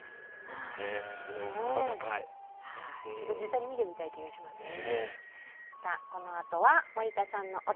実際に見てみたい気がしますね。